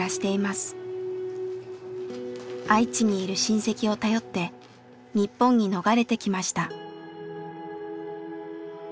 愛知にいる親戚を頼って日本に逃れてきました。